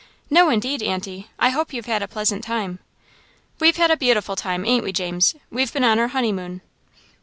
"No indeed, Aunty I hope you've had a pleasant time." "We've had a beautiful time, ain't we, James? We've been on our honeymoon."